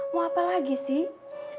mau apa lagi sih